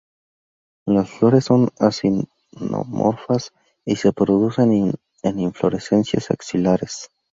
Las flores son actinomorfas y se producen en inflorescencias axilares.